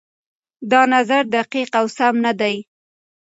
دا نظر دقيق او سم نه دی.